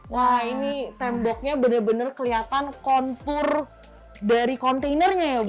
wah ini temboknya benar benar kelihatan kontur dari kontainernya ya bu ya